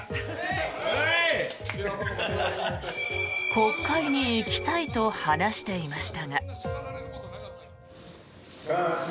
国会に行きたいと話していましたが。